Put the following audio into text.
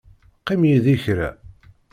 Qqim yid-i kra.